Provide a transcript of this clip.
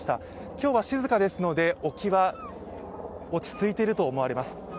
今日は静かですので沖は落ち着いていると思われます。